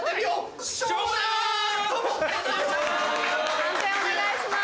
判定お願いします。